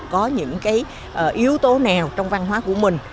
có những cái yếu tố nào trong văn hóa của mình